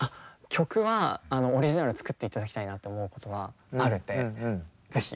曲はあのオリジナル作っていただきたいなって思うことはあるんで是非。